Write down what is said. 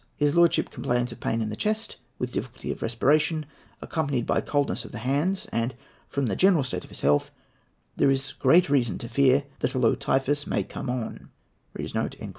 His lordship complains of pain in the chest, with difficulty of respiration, accompanied with great coldness of the hands; and, from the general state of his health, there is great reason to fear that a low typhus may come on."